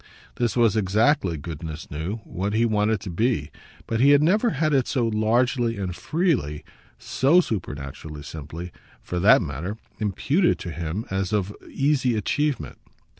This was exactly, goodness knew, what he wanted to be; but he had never had it so largely and freely SO supernaturally simply, for that matter imputed to him as of easy achievement.